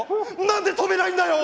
何で止めないんだよ！